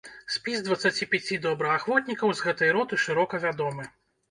Спіс дваццаці пяці добраахвотнікаў з гэтай роты шырока вядомы.